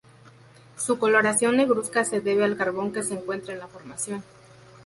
Su coloración negruzca se debe al carbón que se encuentra en la formación.